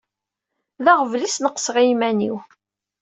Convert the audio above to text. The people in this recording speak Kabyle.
D aɣbel i sneqseɣ i yiman-iw.